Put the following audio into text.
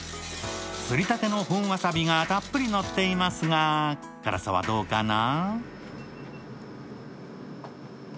すりたての本わさびがたっぷりのっていますが辛さはどうかな？